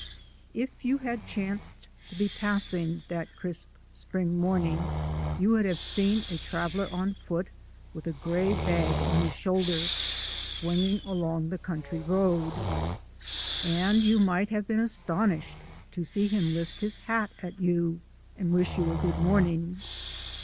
If you had chanced to be passing, that crisp spring morning, you would have seen a traveller on foot with a gray bag on his shoulder, swinging along the country road; and you might have been astonished to see him lift his hat at you and wish you a good morning.